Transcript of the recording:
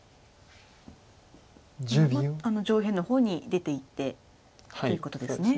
上辺の方に出ていってということですね。